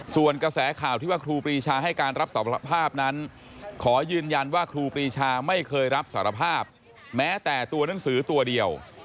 ส่วนกระแสข่าวที่ว่าครูปรีชาให้การรับสารภาพนั้นขอยืนยันว่าครูปรีชาไม่เคยรับสารภาพแม้แต่ตัวหนังสือตัวเดียว